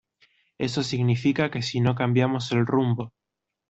eso significa que si no cambiamos el rumbo